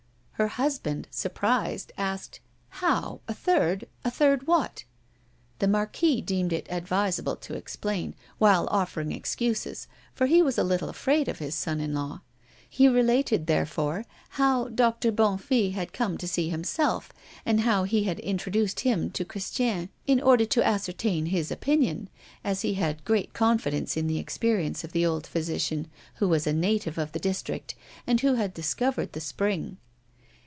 Her husband, surprised, asked: "How, a third, a third what?" The Marquis deemed it advisable to explain, while offering excuses, for he was a little afraid of his son in law. He related, therefore, how Doctor Bonnefille had come to see himself, and how he had introduced him to Christiane, in order to ascertain his opinion, as he had great confidence in the experience of the old physician, who was a native of the district, and who had discovered the spring.